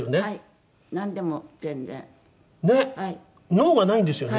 ノーがないんですよね。